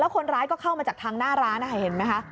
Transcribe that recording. คนร้ายก็เข้ามาจากทางหน้าร้านเห็นไหมคะ